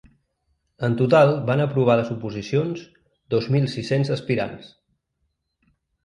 En total van aprovar les oposicions dos mil sis-cents aspirants.